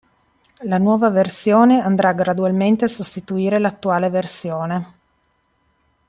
La nuova versione andrà gradualmente a sostituire l'attuale versione.